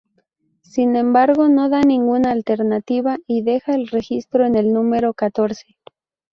Sin embargo no da ninguna alternativa y deja el registro en el número catorce.